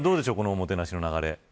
おもてなしの流れ。